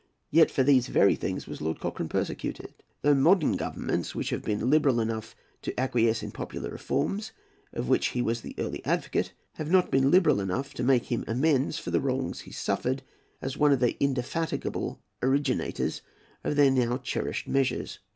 Yet for these very things was Lord Cochrane persecuted, though modern Governments, which have been liberal enough to acquiesce in popular reforms, of which he was the early advocate, have not been liberal enough to make him amends for the wrongs he suffered as one of the indefatigable originators of their now cherished measures.